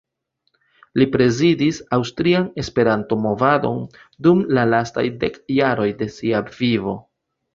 Li prezidis Aŭstrian Esperanto-Movadon dum la lastaj dek jaroj de sia vivo.